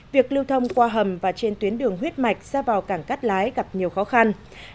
việc lưu thông qua hầm và trên tuyến đường huyết mạch ra vào cảng cắt lái gặp nhiều khó khăn